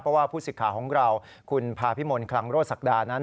เพราะว่าผู้ศึกษาของเราคุณพาพิมนต์คลังโรชศักดานั้น